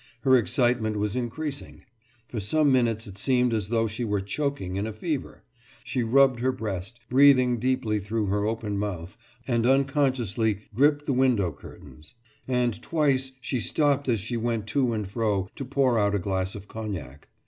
Her excitement was increasing. For some minutes it seemed as though she were choking in a fever; she rubbed her breast, breathing deeply through her open mouth, and unconsciously gripped the window curtains. And twice she stopped as she went to and fro to pour out a glass of cognac.